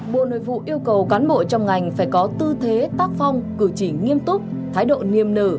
bộ nội vụ yêu cầu cán bộ trong ngành phải có tư thế tác phong cử chỉ nghiêm túc thái độ niềm nở